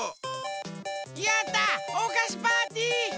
やったおかしパーティー！